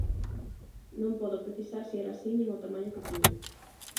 Non podo precisar si era así nin o tamaño que tiña.